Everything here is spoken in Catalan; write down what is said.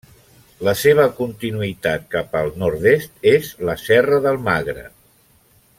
La seva continuïtat cap al nord-est és la Serra del Magre.